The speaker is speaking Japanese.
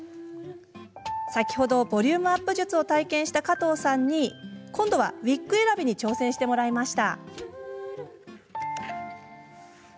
先ほどボリュームアップ術を体験した加藤さんに今度はウイッグ選びに挑戦してもらいました。